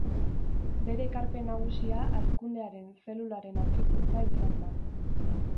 Bere ekarpen nagusia hazkundearen zelularen aurkikuntza izan da.